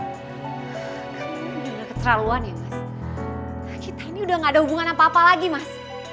kamu bener bener keceraluan ya mas kita ini udah gak ada hubungan apa apa lagi mas